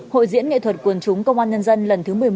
hội diễn nghệ thuật quần chúng công an nhân dân lần thứ một mươi một